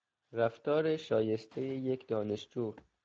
رفتار شایستهی یک دانشجو